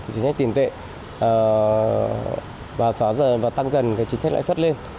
chính sách tiền tệ và tăng dần chính sách lãi suất lên